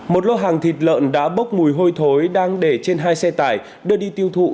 một lô hàng thịt lợn đã bốc mùi hôi thối đang để trên hai xe tải đưa đi tiêu thụ